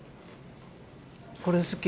これ好き。